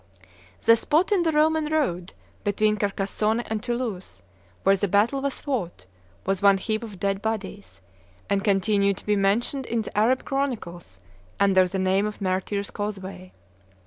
The spot in the Roman road, between Carcassonne and Toulouse, where the battle was fought, was one heap of dead bodies, and continued to be mentioned in the Arab chronicles under the name of Martyrs' Causeway.